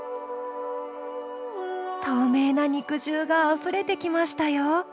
透明な肉汁があふれてきましたよ。